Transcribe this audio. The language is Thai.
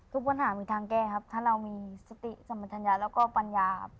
ทุกปัญหามีทางแก้ครับถ้าเรามีสติสมัยธรรยาแล้วก็ปัญญา